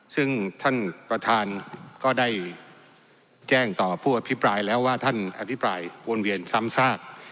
ซึ่งท่านประธานก็ได้แจ้งต่อผู้อภิปรายแล้วว่าท่านอภิปรายวนเวียนซ้ำซาก